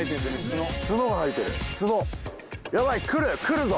ツノツノが生えてるツノヤバい来る来るぞ！